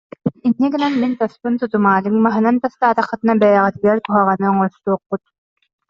Инньэ гынан мин таспын тутумаарыҥ, маһынан тастаатаххытына бэйэҕитигэр куһаҕаны оҥостуоххут»